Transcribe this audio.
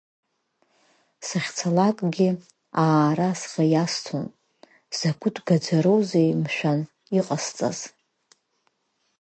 Сахьцалакгьы аара схы иасҭон, закәытә гаӡароузеи, мшәан, иҟасҵаз…